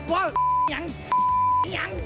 ถามรถหนัง